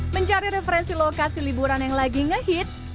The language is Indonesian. mencari referensi lokasi liburan yang lagi ngehits